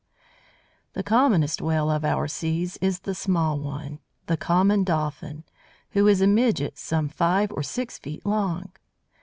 The commonest Whale of our seas is that small one, the Common Dolphin, who is a midget some five or six feet long.